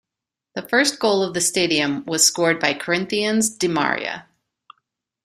The first goal of the stadium was scored by Corinthians' De Maria.